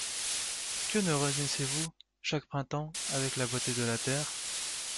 Que ne renaissez-vous, chaque printemps, avec la beauté de la terre?